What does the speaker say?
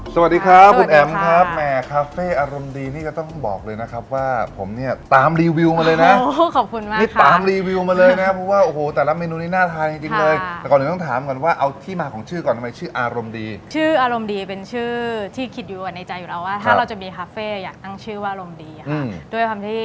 สวัสดีครับคุณแอมครับแม่คาเฟ่อารมณ์ดีนี่ก็ต้องบอกเลยนะครับว่าผมเนี่ยตามรีวิวมาเลยนะโอ้โหขอบคุณมากครับนี่ตามรีวิวมาเลยนะเพราะว่าโอ้โหแต่ละเมนูนี้น่าทานจริงจริงเลยแต่ก่อนหนึ่งต้องถามก่อนว่าเอาที่มาของชื่อก่อนทำไมชื่ออารมณ์ดีชื่ออารมณ์ดีเป็นชื่อที่คิดอยู่อ่ะในใจอยู่แล้วว่